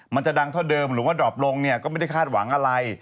มันจะดังเท่าเดิมหรือว่าดอบลงเนี่ยก็ไม่ได้คาดหวังอะไร